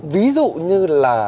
ví dụ như là